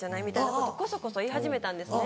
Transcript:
こそこそ言い始めたんですね。